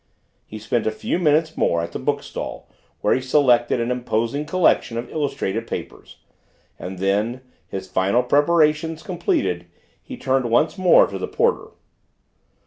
He spent a few minutes more at the book stall where he selected an imposing collection of illustrated papers, and then, his final preparations completed, he turned once more to the porter.